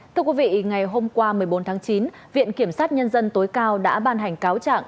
thưa quý vị ngày hôm qua một mươi bốn tháng chín viện kiểm sát nhân dân tối cao đã ban hành cáo trạng